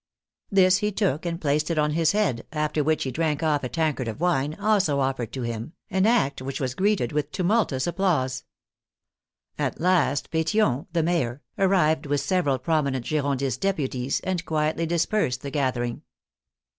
This he took and placed on his head, after which he drank off a tankard of wine also offered to him, an act which was greeted with tumultuous applause. At last Petion, the mayor, arrived with several prominent Girondist deputies, and quietly dispersed the gathering.